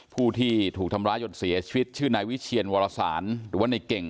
ผู้ที่ถูกทำร้ายจนเสียชีวิตชื่อนายวิเชียนวรสารหรือว่าในเก่ง